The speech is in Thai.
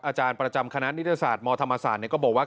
อาจารย์ประจำคณะนิติศาสตร์มธรรมศาสตร์ก็บอกว่า